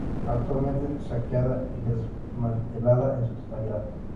Actualmente, saqueada y desmantelada en su totalidad.